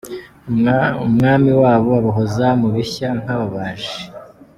Umwami wabo abahoza mu bishya nk’ababaji.